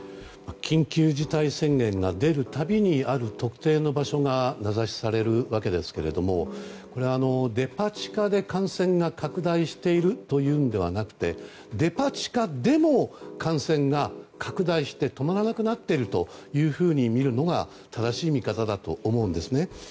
緊急事態宣言が出るたびにある特定の場所が名指しされるわけですけどもこれはデパ地下で感染が拡大しているというのではなくてデパ地下でも感染が拡大して止まらなくなっていると見るのが正しい見方だと思うんですね。